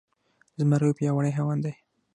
زمری يو پياوړی حيوان دی.